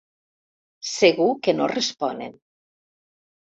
Segur que no responen.